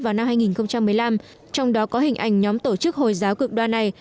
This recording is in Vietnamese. vào năm hai nghìn một mươi năm trong đó có hình ảnh nhóm tổ chức hồi giáo cực đoan này